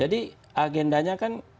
jadi agendanya kan